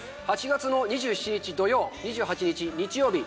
８月の２７日土曜２８日日曜日。